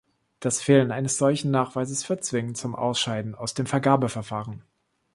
Das Fehlen eines solchen Nachweises führt zwingend zum Ausscheiden aus dem Vergabeverfahren.